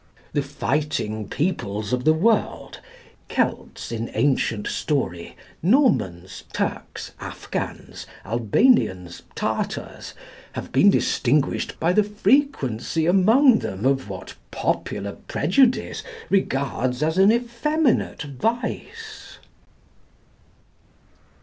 The fighting peoples of the world, Kelts in ancient story, Normans, Turks, Afghans, Albanians, Tartars, have been distinguished by the frequency among them of what popular prejudice regards as an effeminate vice.